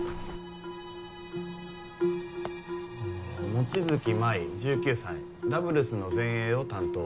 望月舞１９歳ダブルスの前衛を担当。